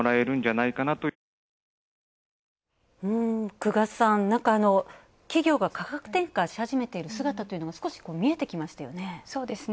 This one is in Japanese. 久我さん、企業が価格転嫁し始めている姿というのは少し見えてきましたよね。